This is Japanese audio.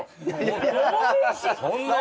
そんなに？